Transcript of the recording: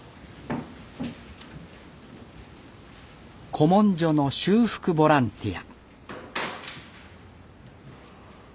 古文書の修復ボランティア。